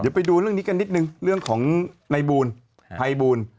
เดี๋ยวไปดูเรื่องนี้กันนิดนึงเรื่องของในบูลภัยบูล